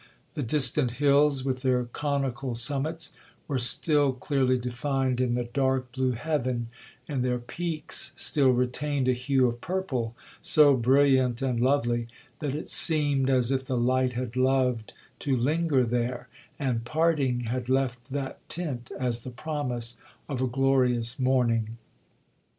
The distant hills, with their conical summits, were still clearly defined in the dark blue heaven, and their peaks still retained a hue of purple so brilliant and lovely, that it seemed as if the light had loved to linger there, and, parting, had left that tint as the promise of a glorious morning.